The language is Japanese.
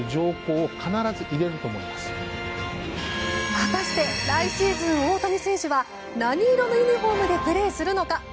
果たして、来シーズン大谷選手は何色のユニホームでプレーするのか。